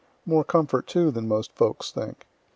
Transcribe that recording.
More comfort, too, than most folks think.